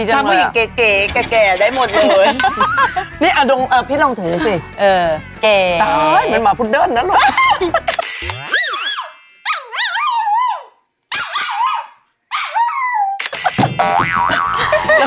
ถ้าผู้หญิงเก๋แก่ได้หมดเลยนี่อะพี่ลองถึงสิตายเหมือนหมาพุดเดิ้นน่ะหรอก